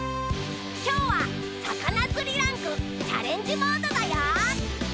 今日は魚釣りランクチャレンジモードだよ。